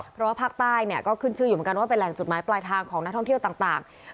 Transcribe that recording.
เพราะว่าภาคใต้เนี่ยก็ขึ้นชื่ออยู่เหมือนกันว่าเป็นแหล่งจุดหมายปลายทางของนักท่องเที่ยวต่าง